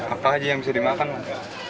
apa aja yang bisa dimakan